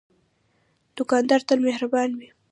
دوکاندار تل مهربان وي.